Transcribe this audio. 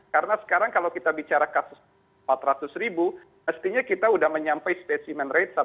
karena sekarang kalau kita bicara kasus empat ratus ribu mestinya kita sudah menyampai specimen rate